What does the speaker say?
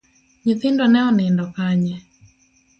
Nyithindo ne onindo kanye?